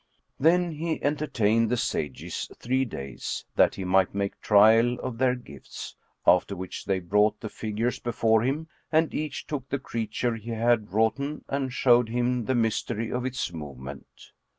"[FN#6] Then he entertained the sages three days, that he might make trial of their gifts; after which they brought the figures before him and each took the creature he had wroughten and showed him the mystery of its movement.